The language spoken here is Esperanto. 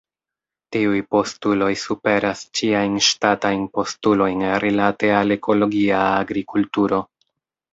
Tiuj postuloj superas ĉiajn ŝtatajn postulojn rilate al ekologia agrikulturo.